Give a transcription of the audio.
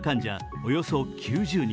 およそ９０人。